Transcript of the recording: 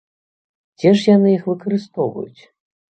Дзе ж яны іх выкарыстоўваюць?